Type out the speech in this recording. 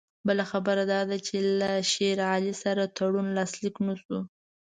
بله خبره دا ده چې له شېر علي سره تړون لاسلیک نه شو.